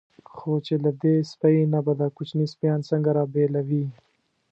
خو چې له دې سپۍ نه به دا کوچني سپیان څنګه را بېلوي.